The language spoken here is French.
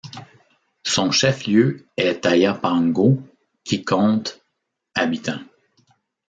Son chef-lieu est Ayapango qui compte habitants.